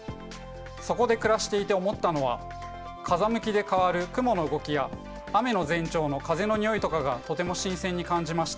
そこで暮らしていて思ったのは風向きで変わる雲の動きや雨の前兆の風の匂いとかがとても新鮮に感じました。